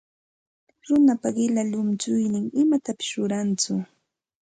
Runapa qilla llunchuynin imatapis rurantsu.